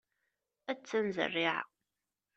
Attan zerriɛa.